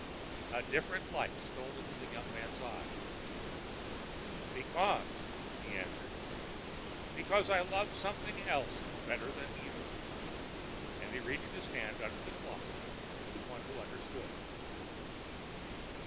A different light stole into the younger man's eyes. "Because"—he answered, "because I loved something else better than either." And he reached his hand under the cloth to one who understood.